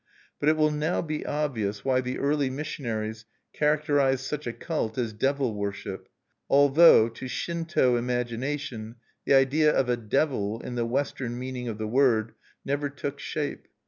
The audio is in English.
But it will now be obvious why the early missionaries characterized such a cult as devil worship, although, to Shinto imagination, the idea of a devil, in the Western meaning of the word, never took shape.